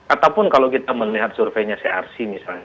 ataupun kalau kita melihat surveinya crc misalnya